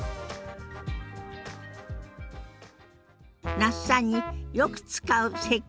那須さんによく使う接客